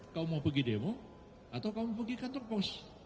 kau mau pergi demo atau kau mau pergi kantor pos